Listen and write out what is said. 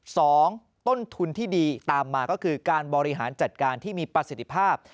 สองต้นทุนที่ดีตามมาก็คือการบริหารจัดการที่มีประสิทธิภาพ